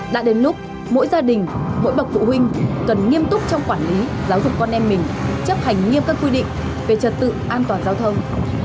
đã đến lúc mỗi gia đình mỗi bậc phụ huynh cần nghiêm túc trong quản lý giáo dục con em mình chấp hành nghiêm các quy định về trật tự an toàn giao thông